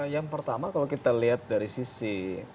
yang pertama kalau kita lihat dari sisi